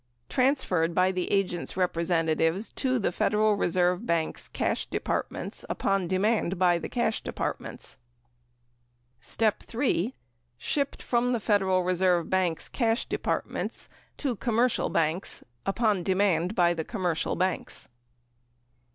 Transferred by the agent's representa tives to the Federal Reserve banks (cash departments) upon demand by the cash departments. Shipped from the Federal Reserve banks (cash departments) to com mercial banks upon demand by the commercial banks.